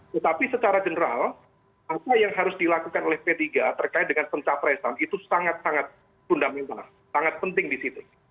tetapi secara general apa yang harus dilakukan oleh p tiga terkait dengan pencapresan itu sangat sangat fundamental sangat penting di situ